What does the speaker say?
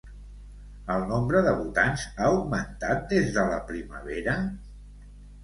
El nombre de votants ha augmentat des de la primavera?